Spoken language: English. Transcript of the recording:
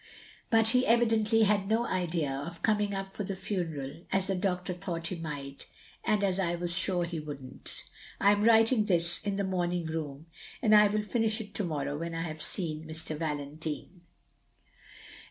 But he evidently had no idea of coming up for the funeral as the doctor thought he might, and as I was sure he wouldn't. .."/ am writing this in the morning room; and I wiU finish it to morrow when I have seen Mr^ Valentine."